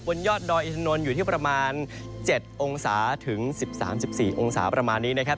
บนยอดดอิทธนนตร์อยู่ที่ประมาณเจ็ดองศาถึงสิบสามสิบสี่องศาประมาณนี้นะครับ